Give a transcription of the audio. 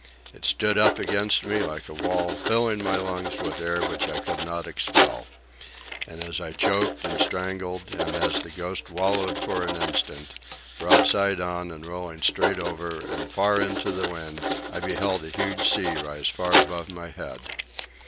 It stood up against me like a wall, filling my lungs with air which I could not expel. And as I choked and strangled, and as the Ghost wallowed for an instant, broadside on and rolling straight over and far into the wind, I beheld a huge sea rise far above my head.